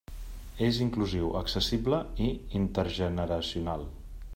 És inclusiu, accessible i intergeneracional.